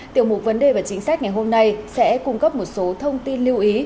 tiểu mục vấn đề và chính sách ngày hôm nay sẽ cung cấp một số thông tin lưu ý